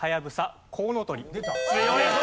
強いぞ。